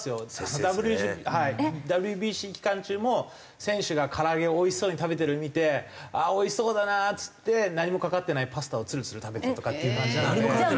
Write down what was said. ＷＢＣＷＢＣ期間中も選手が唐揚げをおいしそうに食べてるのを見て「ああおいしそうだな」っつって何もかかってないパスタをツルツル食べてたとかっていう感じなので。